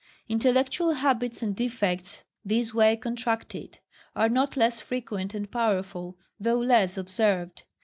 Intellectual habits and defects this way contracted, are not less frequent and powerful, though less observed.